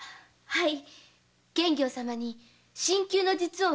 はい。